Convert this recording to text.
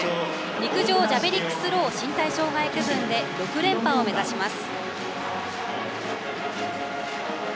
陸上ジャベリックスロー身体障害区分で６連覇を目指します。